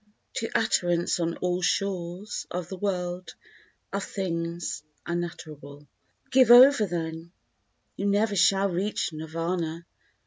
To utterance on all shores of the world Of things unutterable. Give over then, you never shall reach Nirvana!